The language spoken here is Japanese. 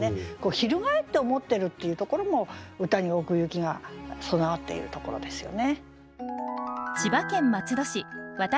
翻って思ってるっていうところも歌に奥行きが備わっているところですよね。